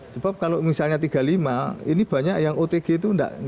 sebab kalau misalnya tiga puluh lima ini banyak yang otg itu nggak ikut terjaring